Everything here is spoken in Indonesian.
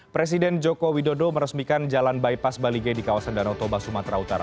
presiden joko widodo meresmikan jalan bypass balige di kawasan danau toba sumatera utara